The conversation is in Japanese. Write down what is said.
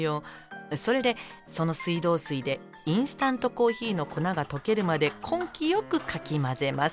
それでその水道水でインスタントコーヒーの粉が溶けるまで根気よくかき混ぜます。